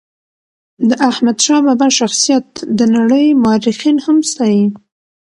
د احمد شاه بابا شخصیت د نړی مورخین هم ستایي.